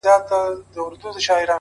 د هستۍ یو نوم اجل بل یې ژوندون ,